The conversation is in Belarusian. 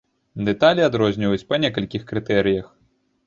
Дэталі адрозніваюць па некалькіх крытэрыях.